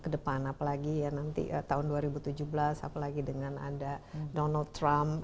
kedepan apalagi ya nanti tahun dua ribu tujuh belas apalagi dengan ada donald trump